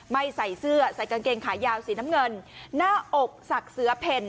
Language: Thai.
ไม่ใส่เสื้อใส่กางเกงขายาวสีน้ำเงินหน้าอกศักดิ์เสือเพ่น